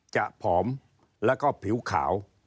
ผอมแล้วก็ผิวขาว